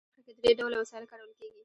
په دې برخه کې درې ډوله وسایل کارول کیږي.